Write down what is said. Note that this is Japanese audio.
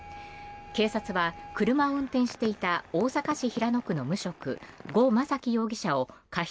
警察は車を運転していた大阪市平野区の無職呉昌樹容疑者を過失